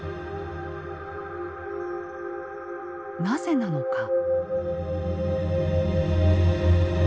なぜなのか？